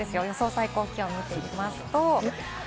最高気温を見ていきます。